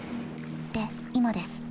で今です。